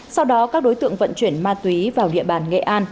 sau đó các đối tượng vận chuyển ma túy vào địa bàn nghệ an